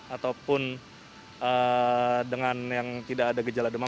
ataupun dengan yang tidak ada gejala di dalamnya